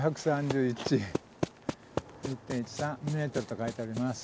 ９３１ｍと書いてあります。